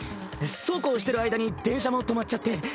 そうこうしてる間に電車も止まっちゃって。